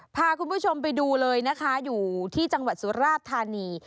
พาคุณผู้ชมไปดูเลยนะคะอยู่ที่จังหวัดสุราชธานี